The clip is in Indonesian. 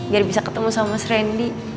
biar bisa ketemu sama mas randy